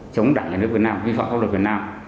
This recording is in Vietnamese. chống đảng nhà nước việt nam vi phạm pháp luật việt nam